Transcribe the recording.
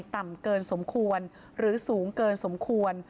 ต่ำเกินสมควรหรือสูงเกินสมควร